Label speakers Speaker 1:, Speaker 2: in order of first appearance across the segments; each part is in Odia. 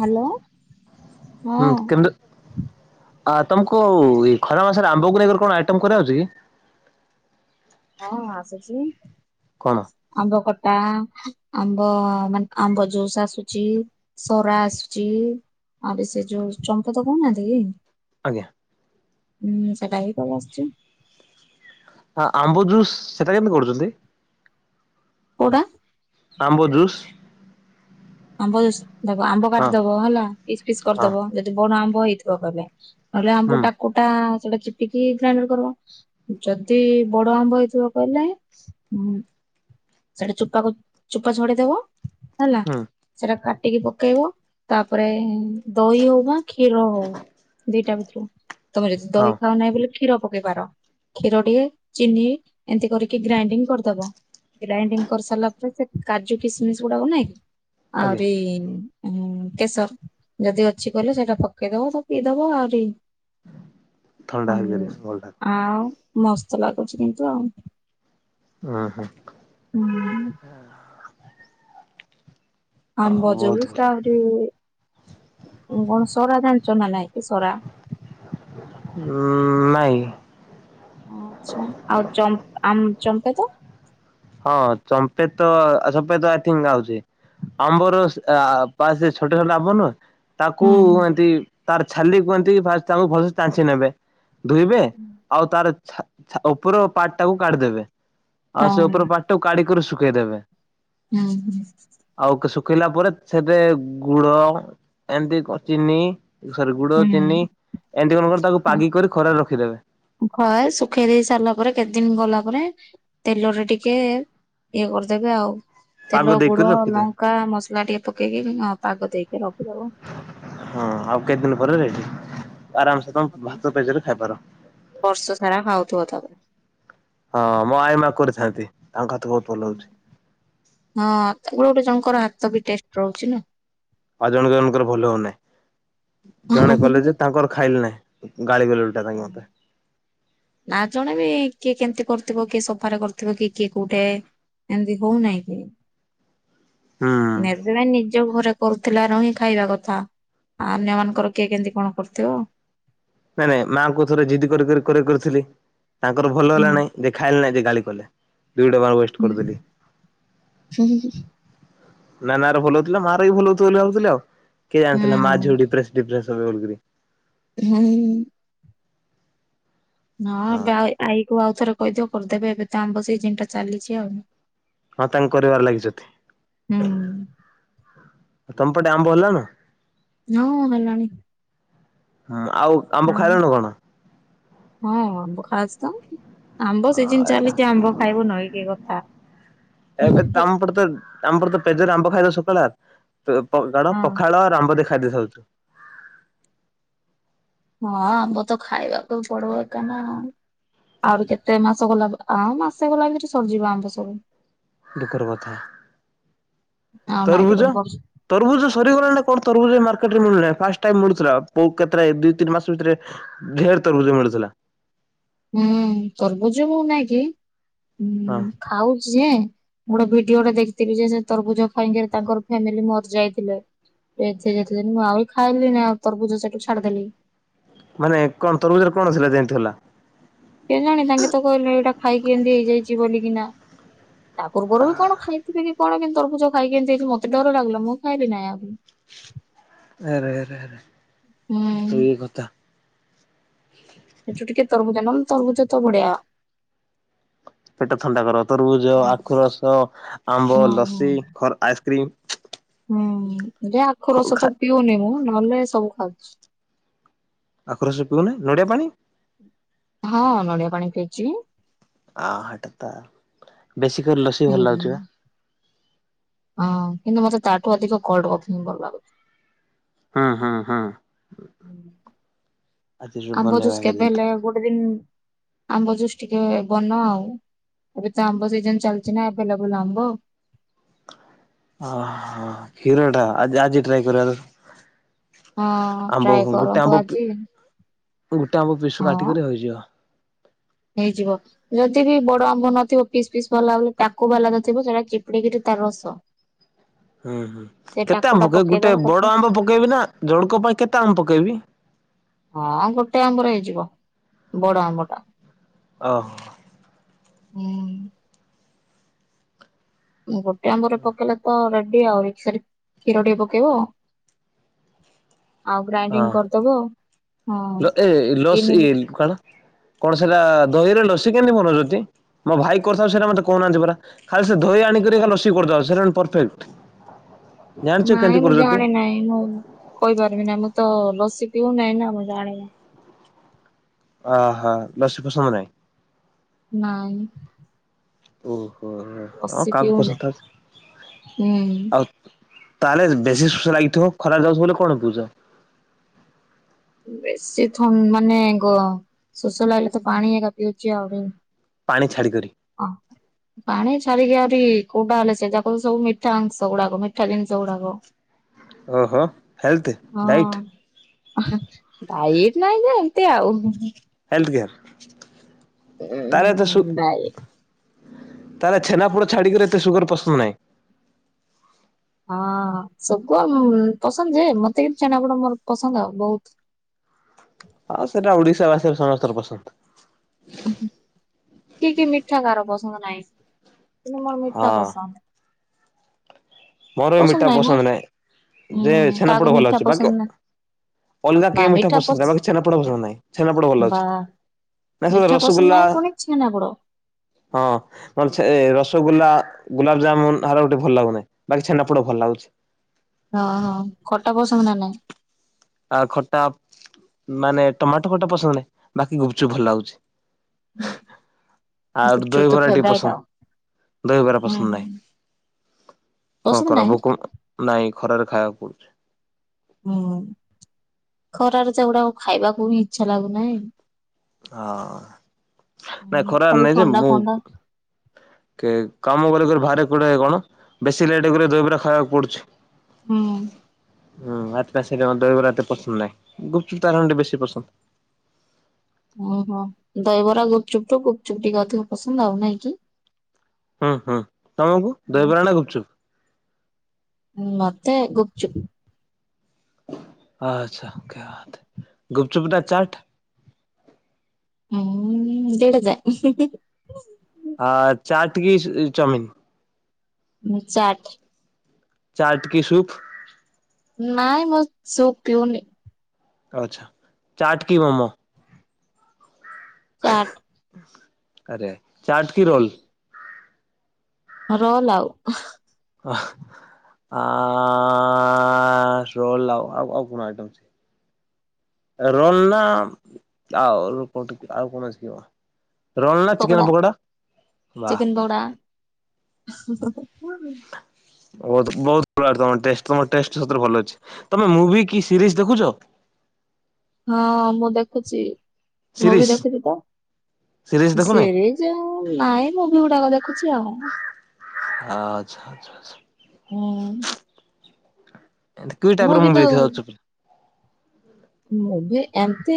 Speaker 1: ହ୍ୟାଲୋ। ହଁ।
Speaker 2: ହୁଁ କେମିତି ଆ ତମକୁ ଖରା ମାସରେ ଆମ୍ବକୁ ନେଇକି କଣ ଆଇଟମ କରିଆଉଛି କି?
Speaker 1: ହଁ ଆସୁଛି
Speaker 2: କଣ
Speaker 1: ଆମ୍ବ ଖଟା ଆମ୍ବ ମାନେ ଆମ୍ବ ଜୁସ୍ ଆସୁଛି ସରା ଆସୁଛି ଆମ୍ବ ସେ ଜୁସ୍ ଚଙ୍କୁତ କହୁନାହାନ୍ତି କି
Speaker 2: ଆଜ୍ଞା
Speaker 1: ହୁଁ ସେଟା ହିଁ ତ ଆସୁଛି
Speaker 2: ଆ ଆମ୍ବ ଜୁସ୍ ସେଟା କେମିତି କରୁଛନ୍ତି
Speaker 1: କଉଟା
Speaker 2: ଆମ୍ବ ଜୁସ୍
Speaker 1: ଆମ୍ବ ଜୁସ୍ ଦେବ ଆମ୍ବ
Speaker 2: ହଁ
Speaker 1: କାଟିଦବ ହେଲା ପିସ୍ ପିସ୍
Speaker 2: ହଁ
Speaker 1: କରିଦବ ଯଦି ବଡ ଆମ୍ବ ହୋଇଥିବ କେବେ ନହଲେ ଆମ୍ବୁ
Speaker 2: ହୁଁ
Speaker 1: ଡାକୁଟା ସେଟା ଚିପିକି ଗ୍ରାଇଣ୍ଡର କରିବ ଯଦି ବଡ ଆମ୍ବ ହେଇଥିବ କହିଲେ ଉଁ ସେଟା ଚୋପାକୁ ଚୋପା ଛଡେଇଦବ ହେଲା।
Speaker 2: ହୁଁ
Speaker 1: [unintelligible] କାଟିକି ପକେଇବ ତାପରେ ଦହି ହେଉ ବା କ୍ଷୀର ହୋଉ ଦିଟା ଭିତରୁ ତମେ ଯଦି
Speaker 2: ହଁ
Speaker 1: ଦହି ଖାଅନାହଁ ବୋଲି କ୍ଷୀର ପକେଇବାର କ୍ଷୀର ଟିକେ ଚିନି ଏମିତି କରିକି ଗ୍ରାଇଣ୍ଡିଙ୍ଗ୍ କରିଦବ ଗ୍ରାଇଣ୍ଡିଙ୍ଗ୍ କରିସାରିଲା ପରେ ସେ କାଜୁ କିସମିସ ଗୁଡାକ ନାଇଁ କି
Speaker 2: ଆଜ୍ଞା
Speaker 1: ଆରେ ଉଁ କେଶର ଯଦି ଅଛି କହିଲେ ସେଇଟା ପକେଇଦବ ତ ପିଇଦବ ଆହୁରି
Speaker 2: ଥଣ୍ଡା ହେଇପାରିବ ଭଲ
Speaker 1: [unintelligible] ଆଉ ମସ୍ତ ଲାଗୁଚି କିନ୍ତୁ ଆଉ।
Speaker 2: ଉହୁଁ
Speaker 1: [unintelligible] ଆମ୍ବ
Speaker 2: ଆଉ ବହୁତ ଭଲ
Speaker 1: ଜୁସ୍ ଆହୁରି [unintelligible] ଜାଣ ଚନା ନାଇକି ସରା
Speaker 2: ଉଁ ନାଇଁ।
Speaker 1: ଓ ଆଛା ଆଉ ଚମ୍ ଆମ୍ ଚମ୍ପେ ତ
Speaker 2: ହଁ ଚମ୍ପେ ତ ଆ ଚମ୍ପେ ତ ଆଇ ଥିଙ୍କ୍ ଆଉଚି ଆମ୍ବର ପା ସେ ଛୋଟ ଛୋଟ ଆମ୍ବ ନୁହେଁ ତାକୁ
Speaker 1: ହୁଁ ହୁଁ।
Speaker 2: ଏମତି ତାର ଛାଲି କୁହନ୍ତି ଫାସ୍ ତାଙ୍କୁ ଭଲସେ ଚାଞ୍ଛିନେବେ। ଧୁଇବେ ଆଉ ତାର ଛା ଛା ଓପର ପାର୍ଟ ଟାକୁ କାଢିଦେବେ। ଆଉ ସେ ଓପର ପାଟଟାକୁ କାଢିକରି ଶୁ ଶୁକେଇଦେବେ।
Speaker 1: ଉଁ ହୁଁ।
Speaker 2: ଶୁକେଇଲା ପରେ ସେଥିରେ ଗୁଡ ଏମିତି କ-ଚିନି
Speaker 1: ହୁଁ
Speaker 2: କଣ ତାକୁ ପାଗି କରି ଖରାରେ ରଖିଦେବେ
Speaker 1: ହୁଁ ଖରାରେ ଶୁଖେଇ ଦେଇ ସାରିଲା ପରେ କେତେ ଦିନ ଗଲା ପରେ ତେଲରେ ଟିକେ ଇଏ କରିଦେବେ ଆଉ।
Speaker 2: ପାଗ
Speaker 1: ତେଲ
Speaker 2: ଦେଇକରି
Speaker 1: ଗୁଡ
Speaker 2: ରଖିଦେବେ।
Speaker 1: ଲଙ୍କା ମସଲା ଟିକେ ପକେଇକି ପାଗ ଅ ଦେଇ ରଖ
Speaker 2: ହଁ ଆଉ କେତେ ଦିନ ପରେ ଆରାମସେ ତମେ ଭାତ ପେଜରେ ଖାଇପାର।
Speaker 1: ବର୍ଷ ସାରା ଖାଉଥିବ ତାପରେ।
Speaker 2: ହଁ ମୋ ଆଇ ମା କରିଥାନ୍ତି। ତାଙ୍କ ହାତ ବହୁତ ଭଲ
Speaker 1: ହୁଁ
Speaker 2: ହଉଛି।
Speaker 1: ହଁ ତ ଗୋଟେ ଜଣଙ୍କର ହା ବି ଟେଷ୍ଟ ରହୁଛି ନା।
Speaker 2: ଆଉ ଜଣ ଜଣଙ୍କର ଭଲ ହଉନାହିଁ ଜଣେ କଲେ ଯେ ତାଙ୍କର ଖାଇଲି ନାଇଁ। ହଁ।
Speaker 1: ନା ଜଣେ ବି କିଏ କେମତି କରୁ ଥିବ କିଏ ସଫାରେ କରିଥିବ କି କିଏ କୋଉଟେ ଏମତି ହଉନାହିଁ କି
Speaker 2: ହୁଁ
Speaker 1: ନିଜର ନି ଯୋଉ ଘରେ କରୁଥିଲା ରହି ଖାଇବା କଥା ଅନ୍ୟ ମାନଙ୍କର କିଏ କେମିତି କଣ କରୁଥିବ। ଯେ
Speaker 2: ନାଇ ନାଇଁ ମାଆଙ୍କୁ ଥରେ ଜିଦି କରି କରି କରିଥିଲି। ତାଙ୍କର ଭଲ
Speaker 1: ହୁଁ।
Speaker 2: ହେଲା ନାଇଁ ଦେଖା ହେଲେ ନାଇଁ ଦେ ଗାଳି କଲେ। ଦୁଇ ଡବା ୱେଷ୍ଟ
Speaker 1: ହୁଁ
Speaker 2: କରିଦେଲି।
Speaker 1: ହୁଁ।
Speaker 2: ନା ନା ଆର ଭଲ ହଉଥିଲା ମା ର ବି ଭଲ ହଉଥିବ ବୋଲି ଭାବୁଥିଲି ଆଉ। କିଏ ଜାଣିଥିଲା ମା
Speaker 1: ହଁ
Speaker 2: ଝିଅ ଡି ପ୍ରେସ୍ ଡି ପ୍ରେସ୍ [unintelligible]
Speaker 1: ହୁଁ। ହଁ ଆଈ କୁ ଆଉଥରେ କହିଦିଅ କରିଦେବେ ଏବେ ତ ଆମ୍ବ ସିଜିନ୍ ଟା ଚାଲିଛି ଆଉ।
Speaker 2: ହଁ ତାଙ୍କୁ କରିବାରେ
Speaker 1: ହୁଁ
Speaker 2: ଲାଗିଛନ୍ତି। ତମ ପଟେ ଆମ୍ବ ହେଲା ନା?
Speaker 1: ହଁ ହେଲାଣି।
Speaker 2: ହଁ ଆଉ ଆମ୍ବ
Speaker 1: ଆମ
Speaker 2: ଖାଇଲଣ କଣ?
Speaker 1: ହଁ ବୁଖାଜ ତ ଆମ୍ବ ସିଜିନ୍ ଚାଲିଛି ଆମ୍ବ ଖାଇବୁନୁ ଇଏ କି କ [unintelligible]
Speaker 2: ଏବେ ତାମପର ତ ତାମପର ତ ପେଜ ଆମ୍ବ ଖାଇଦ ସକାଳ କଣ ପଖାଳ ଆମ୍ବ ଦେ ଖାଦ୍ୟ ଖାଉଛୁ।
Speaker 1: ହଁ ଆମ୍ବ ତ ଖାଇବାକୁ ପଡିବ ଏକା ନା ଆହୁରି କେତେ ମାସ ଗଲା ପରେ ଆମ୍ ଆସିଗଲା କିରି ସବୁ ଯିବ ଆମ୍ବ ସରି।
Speaker 2: ଦୁଃଖ ର କଥା
Speaker 1: ଆଉ ନାଇଁ
Speaker 2: ତରଭୁଜ
Speaker 1: ବର୍ଷ
Speaker 2: ତରଭୁଜ ସରିଗଲା ଣି କଣ ତରଭୁଜ ମାର୍କେଟ ରେ ମିଳୁନି ଆଉ ଫାଷ୍ଟ୍ ଟାଇମ୍ ମିଳୁଥିଲା କୋଉ କେତେରାଏ ଦୁଇ ତିନି ମାସ ଭିତରେ ଢେର ତରଭୁଜ ମିଳୁଥିଲା।
Speaker 1: ହୁଁ ତରଭୁଜ ଆଉ ନାଇଁ କି?
Speaker 2: ହଁ
Speaker 1: ହୁଁ ଖାଉଛି ଯେ ମୁଁ ଗୋଟେ ଭିଡିଓଟେ ଦେଖିଥିଲି ଯେ ସେ ତରଭୁଜ ଖାଇକିରି ତାଙ୍କର ଫ୍ୟାମିଲି ମର ଯାଇଥିଲେ ଡେଥ ହଇଯାଇଥିଲେ ମୁଁ ଆହୁରି ଖାଇଲିନି ଆଉ ତରବୁଜ ସେଠୁ ଛାଡିଦେଲି।
Speaker 2: ମାନେ କଣ ତରଭୁଜରେ କଣ ଥିଲା ଯେ ଏମିତି ହେଲା।
Speaker 1: କେଜାଣି ତାଙ୍କେ କିନା ତା ପୂର୍ବରୁ କଣ ଖାଇଥିବେ କି କଣ କି ତରଭୁଜ ଖାଇକି ଏମିତିି ହେଉଚି ମତେ ଡର ଲାଗିଲା ମୁଁ ଖାଇଲି ନାହିଁ ଆଉ ।
Speaker 2: ଆରେ ଆରେ ଆରେ
Speaker 1: ହୁଁ
Speaker 2: ସେଇ କଥା
Speaker 1: ସେଠୁ ଟିକେ ତରଭୁଜ ନହେଲେ ତରଭୁଜ ତ ବଡ଼ିଆ
Speaker 2: ପେଟ ଥଣ୍ଡା କର ତରବୁଜ ଆଖୁ ରସ ଆମ୍ବ
Speaker 1: ହୁଁ
Speaker 2: ଲସି ଖ ଆଇସ୍କ୍ରିମ
Speaker 1: ହୁଁ ହୁଁ ଯେ ଆଖୁ ରସ
Speaker 2: ଖା
Speaker 1: ତ ପିଉନି ମୁଁ ନହେଲେ ସବୁ ଖାଉ [inaudible]
Speaker 2: ଆଖୁ ରସ ପିଉନା ନଡ଼ିଆ ପାଣି
Speaker 1: ହଁ ନଡିଆ ପାଣି ପିଇଚି
Speaker 2: ଆ ହଟତା ବେଶୀ କରି ଲସି
Speaker 1: ହୁଁ
Speaker 2: ଭଲ ଲାଗୁଚି ପା
Speaker 1: ହଁ କିନ୍ତୁ ମତେ ତାଠୁ ଅଧିକ କୋଲଡ କପ ହିଁ ଭଲ ଲାଗୁ
Speaker 2: ହୁଁ ହୁଁ ହୁଁ। ଆଜି ରୁ
Speaker 1: ଆମ୍ବ
Speaker 2: ବନେଇବା
Speaker 1: ଯୋଉ
Speaker 2: ଆଗ ଯେନ୍ତୁ
Speaker 1: ସ୍କେଦେଲେ ଗୋଟେ ଦିନ ଆମ୍ବ ଜୁଷ ଟିକେ ବନ ଆଉ ଏବେ ତ ଆମ୍ବ ସିଜିନ ଚାଲିଚି ନା ଏଭେଲେବୁଲ ଆମ୍ବ
Speaker 2: ଓ ହୋ କ୍ଷୀର ଟା ଆଜି ଆଜି ଟ୍ରାଏ କରିବା।
Speaker 1: ହଁ
Speaker 2: ଆମ୍ବ
Speaker 1: ଟ୍ରାଏ
Speaker 2: ଗୋଟେ ଆମ୍ବ
Speaker 1: କରନ୍ତୁ ଆଜି
Speaker 2: ଗୋଟେ ଆମ୍ବ ପିସୁ
Speaker 1: ହଁ
Speaker 2: କାଟିକରି ହେଇଯିବ।
Speaker 1: ଏତେ ବି ବଡ ଆମ୍ବ ନଥିବ ପିସ୍ ପିସ୍ [unintelligible] ଟାକୁ [unintelligible] ଥିବ ସେଟା ଚିପୁଡ଼ିକିରି ତାର ରସ
Speaker 2: ହୁଁ ହୁଁ
Speaker 1: ସେ
Speaker 2: କେତେ ଆମ୍ବ
Speaker 1: ଟାକୁଟା
Speaker 2: ପକେଇବି ଗୋଟେ
Speaker 1: ପକେଇଦବ ତାପରେ
Speaker 2: ବଡ ଆମ୍ବ ପକେଇବି ନା ଜଣକ ପାଇଁ କେତେ ଆମ୍ବ ପକେଇବି?
Speaker 1: ହଁ ଗୋଟେ ଆମ୍ବର ହେଇଯିବ ବଡ ଆମ୍ବଟା
Speaker 2: ଓ।
Speaker 1: ହୁଁ। ଗୋଟେ ଆମ୍ବରେ ପକେଇଲେ ତ [unintelligible] କ୍ଷୀର ଟେ ପକେଇବ ଆଉ
Speaker 2: ହଁ
Speaker 1: ଗ୍ରାଇଣ୍ଡିଙ୍ଗ କରିଦବ ହଁ
Speaker 2: ଲ ଏ ଲସି
Speaker 1: ଚିନି ବି
Speaker 2: ଇଏ କଣ କଣ ସେଟା ଦହିରେ ଲସି କେମିତି ବନଜ ତି ମୋ ଭାଇ କରିଥାଉ ସେରା ମତେ କହୁନାହାନ୍ତି ପରା ଖାଲି ସେ ଦହି ଆଣିକିରି ଖାଲି ଲସି କରିଥାଉ ସେରା ପରଫେକ୍ଟ ଜାଣିଛୁ
Speaker 1: ନାଇଁ
Speaker 2: କେମିତି
Speaker 1: ମୁଁ
Speaker 2: କରୁଛନ୍ତି?
Speaker 1: ଜାଣି ନାଇଁ ମୁଁ କଇପାରିବି ନାଇଁ ମୁଁ ତ ଲ କେଉ ନହିଁ ନା ମଜା ଆଣ ନା
Speaker 2: ଓ ହୋ ଲସୁପଶମ ନହିଁ।
Speaker 1: ନାଇଁ
Speaker 2: ଓ ଓ ହଁ
Speaker 1: ଲସି
Speaker 2: କାହା
Speaker 1: ପିଉନି
Speaker 2: ପସନ୍ଦ ଆଉ
Speaker 1: ହୁଁ
Speaker 2: ତାହେଲେ ବେଶୀ ସୁଷ ଲାଗିଥିବ ଖରାପ ଯାଉଛ ବୋଲି କଣ ବହୁଛ
Speaker 1: ବେଶୀ ଥ ମାନେ ଗ ଶୋଷ ଲାଗଲେ ତ ପାଣି ଏକା ପିଉଛି ଆହୁରି।
Speaker 2: ପାଣି ଛାଡ଼ି କରିି
Speaker 1: ପାଣି ଛାଡିକି ଆହୁରି କୋଉଟା ହେଲେ ସେ ଯାକ ସବୁ ମିଠା ଅଂଶ ଗୁଡାକ ମିଠା ଜିନିଷ ଗୁଡାକ।
Speaker 2: ଓହୋ ହେଲଥ
Speaker 1: ହଁ
Speaker 2: ଡାଇଟ୍?
Speaker 1: ଡାଇଟ୍ ନାଇଁ ଯେ ଏମତି ଆଉ।
Speaker 2: [unintelligible]
Speaker 1: ଉ ବାଇ
Speaker 2: ତାର ଛେନା ପୋଡ ଛାଡିକରି ଏତେ ସୁଗର ପସନ୍ଦ ନାହିଁ।
Speaker 1: ହଁ ସବୁ ଆ ପସନ୍ଦ ଯେ ମତେ କିନ୍ତୁ ଛେନାପୋଡ଼ ମୋର ପସନ୍ଦ ଆଉ ବହୁତ।
Speaker 2: ଆଉ ସେଟା ଓଡିଶା ବାସୀର ସମସ୍ତଙ୍କ ପସନ୍ଦ।
Speaker 1: [unintelligible] ତ ମୋର ମିଠା
Speaker 2: ହଁ
Speaker 1: ପସନ୍ଦ।
Speaker 2: ମୋର ବି ମିଠା ପସନ୍ଦ ନାହିଁ
Speaker 1: ହୁଁ
Speaker 2: ଯେ
Speaker 1: କାହାକୁ
Speaker 2: ଛେନାପୋଡ ଭଲ
Speaker 1: ମିଠା
Speaker 2: ଅଛି ବାକି
Speaker 1: ପସନ୍ଦ ନା
Speaker 2: ଅଲଗା
Speaker 1: ବା
Speaker 2: କେହି ମିଠା ପସନ୍ଦ
Speaker 1: ପସ
Speaker 2: ନାହିଁ ବାକି ଛେନାପୋଡ ପସନ୍ଦ ନାହିଁ ଛେନାପୋଡ ଭଲ
Speaker 1: ବା
Speaker 2: ଅଛି ନା ସ
Speaker 1: ମିଠା ପସନ୍ଦ
Speaker 2: ରସଗୋଲା
Speaker 1: ନାହିଁ ପୁଣି ଛେନାପୋଡ।
Speaker 2: ହଁ ମୋର ରସଗୋଲା। ଗୁଲାବଜାମୁନ ହାର ଗୋଟେ ଭଲଲାଗୁ ନାହିଁ। ବାକି ଛେନାପୋଡ ଭଲ ଲାଗୁଛି।
Speaker 1: ହଁ ହଁ। ଖଟା ପସନ୍ଦ ନା ନାଇଁ
Speaker 2: ଆ ଖଟା ମାନେ ଟମାଟୋ ଖଟା ପସନ୍ଦ ନାହିଁ ବାକି ଗୁପଚୁପ ଭଲ ଲାଗୁଛି। ଆଉ
Speaker 1: ଗୁପଚୁପ ତ
Speaker 2: ଦହିବରା ଟିିକେ
Speaker 1: ଫେବରାଇଟ ଆଉ।
Speaker 2: ପସନ୍ଦ ଦହିବରା
Speaker 1: ହୁଁ
Speaker 2: ପସନ୍ଦ
Speaker 1: ହୁଁ।
Speaker 2: ନାହିଁ କଣ
Speaker 1: ପସନ୍ଦ
Speaker 2: କର୍ବା
Speaker 1: ନାହିଁ
Speaker 2: ଭୋକ ନାଇଁ ଖରାରେ ଖାଇବାକୁ [unintelligible]
Speaker 1: ହଁ। ଖରାରେ ସେଗୁଡା ଖାଇବାକୁ ହିଁ ଇଚ୍ଛା ଲାଗୁନାହିଁ।
Speaker 2: ହଁ ନାଇ
Speaker 1: ହୁଁ।
Speaker 2: ଖରା
Speaker 1: ଖାଲି
Speaker 2: ନାଇଁ ଯେ
Speaker 1: ଥଣ୍ଡା
Speaker 2: ମୁଁ
Speaker 1: ଫଣ୍ଡା
Speaker 2: କାମ କରି ଭା [unintelligible] କଣ ବେଶୀ ଲେଟ ହେଇଗଲେ ଦହିବରା ଖାଇବାକୁ ପଡୁଛି।
Speaker 1: ହୁଁ।
Speaker 2: ହୁଁ ଆ ସେ ଦହିବରା ଏତେ ପସନ୍ଦ ନାହିଁ ଗୁପଚୁପ୍ ତାଠୁ ହେଲେ ଟିକେ ବେଶୀ ପସନ୍ଦ।
Speaker 1: ଓହୋ ଦହବରା ଗୁପଚୁପ୍ ଠୁ ଗୁପଚୁପ୍ ଟିକେ ଅଧିକ ପସନ୍ଦ ଆଉ ନାଇଁ କି?
Speaker 2: ହୁଁ ହୁଁ ତମକୁ
Speaker 1: ହୁଁ।
Speaker 2: ଦହବରା ନା ଗୁପଚୁପ?
Speaker 1: ମତେ ଗୁପଚୁପ।
Speaker 2: ଆଚ୍ଛା ଗୁପଚୁପ ନା ଚାଟ?
Speaker 1: ହୁଁ ଦିଟା ଯାକ।
Speaker 2: ଆ ଚାଟ କି ଚାଉମିନ?
Speaker 1: ଚାଟ୍।
Speaker 2: ଚାଟକି ସୂପ?
Speaker 1: ନାଇଁ ମୁଁ ସୁପ୍ ପିଉନି।
Speaker 2: ଆଚ୍ଛା ଚାଟ କି ମୋମୋ?
Speaker 1: ଚାଟ୍।
Speaker 2: ଆରେ ଚାଟ୍ କି ରୋଲ?
Speaker 1: ରୋଲ୍ ଆଉ।
Speaker 2: ଆ ରୋଲ୍ ଆଉ ଆଉ କଣ ଆଇଟମ ଅଛି ରୋଲ୍ ନା ଆଉ ଆଉ କ
Speaker 1: ପକଡ଼ା
Speaker 2: ବା
Speaker 1: ଚିକେନ ପକଡ଼ା।
Speaker 2: ବହୁତ ବହୁତ ଭଲ ତମ ଟେଷ୍ଟ ତମ ଟେଷ୍ଟ ସତରେ ଭଲ ଅଛି ତମେ ମୁଭି କି ସିରିଜ ଦେଖୁଛ?
Speaker 1: ହଁ ମୁଁ ଦେକୁଚି। ମୁଁ
Speaker 2: ସିରିଜ
Speaker 1: ବି ଦେଖୁତିତ
Speaker 2: ସିରିଜ ଦେଖୁନାହିଁ
Speaker 1: ସେଇ ଯୋଉ ନାଇଁ ମୁଭି ଗୁଡାକ ଦେଖୁଚି ଆଉ।
Speaker 2: ଆଚ୍ଛା ଛା
Speaker 1: ହୁଁ
Speaker 2: ଛା। କି
Speaker 1: ମୁଁ
Speaker 2: ଟାଇପ ର
Speaker 1: କିନ୍ତୁ
Speaker 2: ମୁଭି ଦେଖିବାକୁ ଯାଉଚ।
Speaker 1: ମୁଭି ଏମତି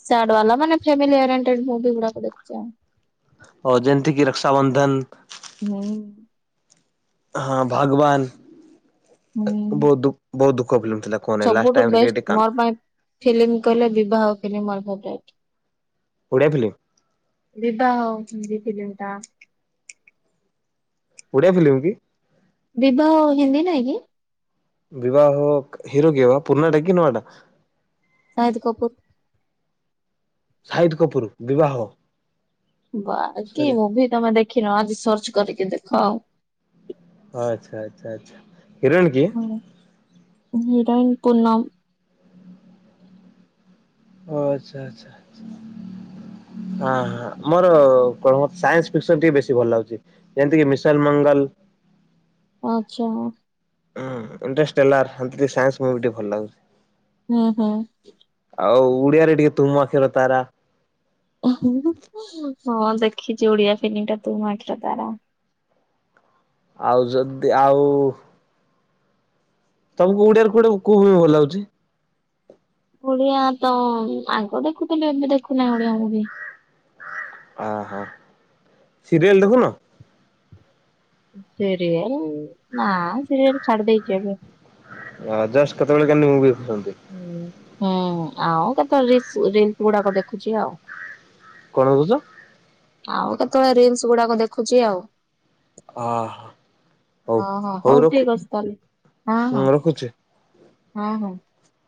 Speaker 1: ସ୍ୟାଡେ ବାଲା ମାନେ ଫାମିଲି ଏରେଣ୍ଟେଡ ମୁଭି ଗୁଡାକ ଦେଖୁଚି ଆଉ।
Speaker 2: ଅ ଯେମିତି କି ରକ୍ଷାବନ୍ଧନ।
Speaker 1: ହୁଁ।
Speaker 2: ହଁ ଭଗବାନ।
Speaker 1: ହୁଁ
Speaker 2: ବଉଦୁ ବଉଦୁ
Speaker 1: ସବୁଠୁ ବେଷ୍ଟ ମୋର ପାଇଁ ଫିଲ୍ମ। କହିଲ ବିବାହ ଫିଲିମ ମୋର ଫେବରାଇଟ।
Speaker 2: ଓଡ଼ିଆ ଫିଲ୍ମ
Speaker 1: ବିବାହ। ଫିଲିମ ଟା।
Speaker 2: ଓଡିଆ ଫିଲ୍ମ କି?
Speaker 1: ବିବାହ ହିନ୍ଦୀ ନାଇକି।
Speaker 2: ବିିବାହ ହିରୋକିଏବା ପୁରୁଣା ଟା କି ନୂଆଟା।
Speaker 1: ସାଇର କପୁର।
Speaker 2: ସାହିଦ୍ କପୁର ବିବାହ।
Speaker 1: ବାକି
Speaker 2: ସରି
Speaker 1: ମୁଭି ତମେ ଦେଖ ଖିନ ଆଜି ସର୍ଚ୍ଚ କରିକି ଦେଖ ଆଉ।
Speaker 2: ଓ ଆଚ୍ଛା। ଆଚ୍ଛା। ହିରୋଇନ କିଏ?
Speaker 1: ହିରୋଇନ୍ ପୂନମ୍।
Speaker 2: ଓ ଆଚ୍ଛା ଆଚ୍ଛା ହ ହଁ ମୋର କଣ ମ ସାଇନ୍ସୀ ପିକସନ ଟିକେ ବେଶୀ ଭଲ ଲାଗୁଚି ଯେମିତିକି ମିସାଇଲମଙ୍ଗଲ।
Speaker 1: ଆଚ୍ଛା।
Speaker 2: ହୁଁ [unintelligible] ହେଲା [unintelligible] ସାଇନ୍ସି ମୁଭି ଟିକେ ଭଲ ଲାଗେ।
Speaker 1: ହୁଁ ହୁଁ।
Speaker 2: ଆଉ ଉଡିଆରେ ଟିକେ ତୁମ ଆଖିର ତାରା।
Speaker 1: [unintelligible] ହଁ ଦେଖିଛି ଓଡିଆ ଫିଲ୍ମ ଟା ତୁ ମୋ ଆଖିର ତାରା।
Speaker 2: ଆଉ ଯଦି ଆଉ ତମକୁ ଓଡ଼ିଆରେ କୋଉଟା କୋଉ ମୁଭି ଭଲଲାଗୁଚି।
Speaker 1: ଓଡିଆ ତ ଆଗ ଦେଖୁଥିଲି ଏବେ ଦେଖୁନାଇଁ ଓଡିଆ ମୁଭି।
Speaker 2: ଆ ହା ସିରିୟଲ ଦେଖୁନ।
Speaker 1: ସିରିଏଲ ନା ସିରିଏଲ ଛାଡି ଦେଇଚି ଏବେ।
Speaker 2: ଆ ଜଷ୍ଟ କେତବେଳେ କେମିତି ମୁଭି ଦେ ଛନ୍ତି
Speaker 1: ହୁଁ
Speaker 2: ।
Speaker 1: ଆଉ କେତଳେ ରସ ରିଲସ ଗୁଡାକ ଦେଖୁଚି ଆଉ।
Speaker 2: କଣ ଦୁଜ
Speaker 1: ଆଉ କେତଅଳେ ରିଲସ ଗୁଡାକ ଦେଖୁଚି ଆଉ।
Speaker 2: ଅ ହ ହଉ
Speaker 1: ହଁ ହଁ
Speaker 2: ହଉ ରଖ
Speaker 1: ଠିକ ଅଛି ତାହେଲେ
Speaker 2: ହଁ ରଖୁଛି।
Speaker 1: ହଁ ହଁ ।